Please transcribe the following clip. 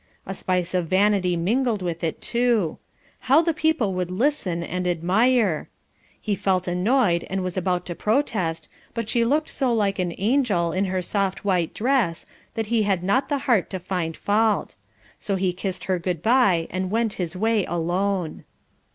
A spice of vanity mingled with it too. How the people would listen and admire! He felt annoyed and was about to protest, but she looked so like an angel in her soft white dress that he had not the heart to find fault. So he kissed her good bye, and went his way alone.